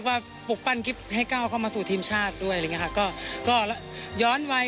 จุดสูงสุดของชีวิตจุดสูงสุดของชีวิต